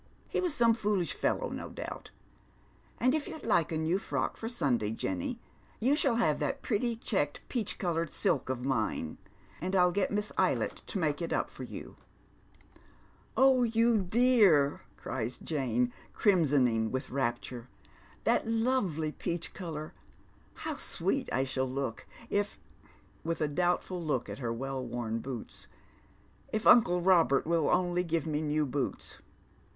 He was some foolish fellow, no doubt. And if you'd like a new frock for Sunday, Jenny, you si i all have that pretty checked peach coloured silk oi" mine, and I'll get Misa Eylett to make it up for you." Love, then, hid hope of RicJier Store. 79 '*0h you dear I " cries Jane, crimsoning with rapture. "Tliat lovely peach colour! How sweet I shall look, if —" with a doubtful look at her well worn boots —" if uncle Eobert will only give me new boots."